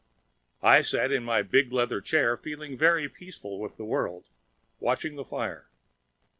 I sat in my big leather chair, feeling very peaceful with the world, watching the fire.